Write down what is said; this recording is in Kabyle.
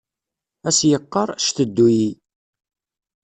A s-yeqqar "cteddu-yi".